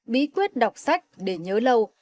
bí quyết đọc sách để nhớ lâu